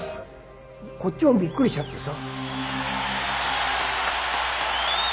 こっちもびっくりしちゃってさ。